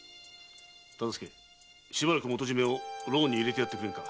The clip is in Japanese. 忠相しばらく元締を牢に入れてやってくれんか。